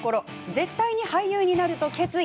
絶対に俳優になると決意。